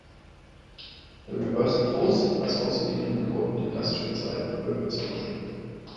The Reversing Falls has also been an important industrial site for over a century.